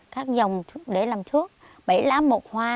các dòng để làm thuốc bẫy lá mộc hoa